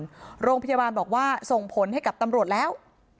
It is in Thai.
ที่โรงพยาบาลโรงพยาบาลบอกว่าส่งผลให้กับตำรวจแล้ว